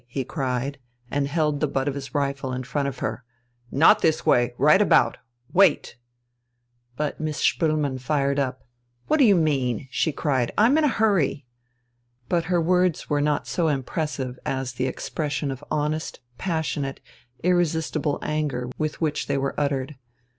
he cried and held the butt of his rifle in front of her. "Not this way! Right about! Wait!" But Miss Spoelmann fired up. "What d'you mean?" she cried. "I'm in a hurry!" But her words were not so impressive as the expression of honest, passionate, irresistible anger with which they were uttered.